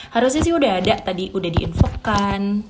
harusnya sih udah ada tadi udah di invokan